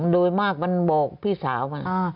โดยมากบอกพี่สาวมา